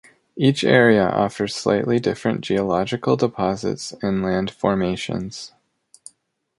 Each area offers slightly different geological deposits and land formations.